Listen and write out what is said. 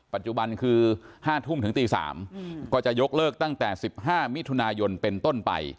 ปัจจุบันคือ๕ทุ่มถึงตี๓ก็จะยกเลิกตั้งแต่๑๕มิถุนายนเป็นต้นไป